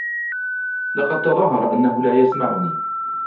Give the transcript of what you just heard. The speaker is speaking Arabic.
لقد تظاهر أنه لا يسمعني